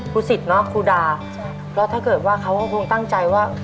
รู้สึกนะครูดาแล้วถ้าเกิดว่าเขาคงตั้งใจว่า